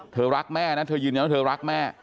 เธอรักแม่นะเธอยืนอยู่นั้นเธอรักแม่